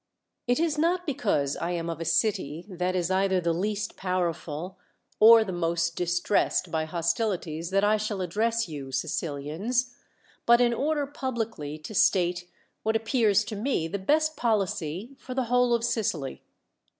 It is not because I am of a city that is either tli*^ least powerful, or the most distressed by hos tilities that I shall address you, Sicilians, but in order publicly to state what appears to me the best policy for the whole of Sicily.